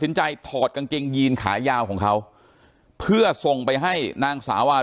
ใจถอดกางเกงยีนขายาวของเขาเพื่อส่งไปให้นางสาวา